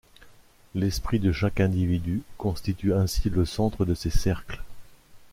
L'esprit de chaque individu constitue ainsi le centre de ces cercles.